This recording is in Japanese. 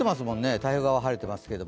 太平洋側は晴れてますけど。